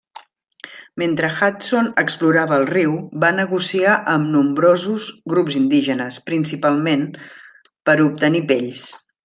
Mentre Hudson explorava el riu va negociar amb nombrosos grups indígenes, principalment per obtenir pells.